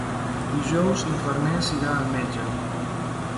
Dijous na Farners irà al metge.